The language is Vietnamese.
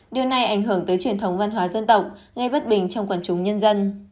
điều này ảnh hưởng tới truyền thống văn hóa dân tộc gây bất bình trong quần chúng nhân dân